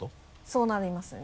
そうなりますね。